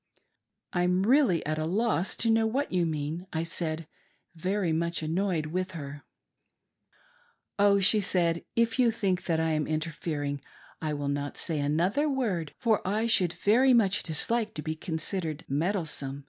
" I'm really at a loss to know what you mean," I said, very much annoyed with her. " Oh," she said, " If you think that I am interfering, I will not say another word, for I should very much dislike to be considered meddlesome.